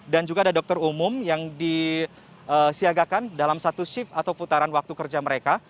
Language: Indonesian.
juga ada dokter umum yang disiagakan dalam satu shift atau putaran waktu kerja mereka